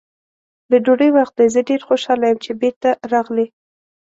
د ډوډۍ وخت دی، زه ډېر خوشحاله یم چې بېرته راغلې.